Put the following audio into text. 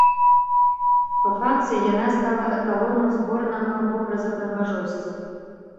Па факце яна стала эталонам зборнага вобраза прыгажосці.